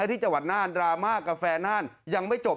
ที่จังหวัดน่านดราม่ากาแฟน่านยังไม่จบ